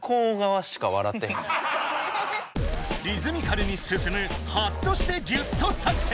リズミカルに進む「ハッとして！ギュッと作戦」。